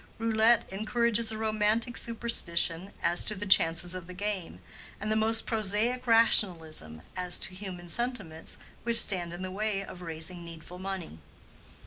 Roulette encourages a romantic superstition as to the chances of the game, and the most prosaic rationalism as to human sentiments which stand in the way of raising needful money.